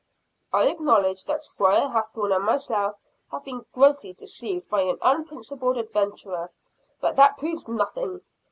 "I acknowledge that Squire Hathorne and myself have been grossly deceived by an unprincipled adventurer but that proves nothing.